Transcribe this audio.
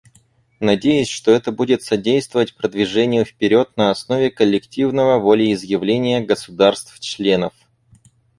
Надеюсь, что это будет содействовать продвижению вперед на основе коллективного волеизъявления государств-членов.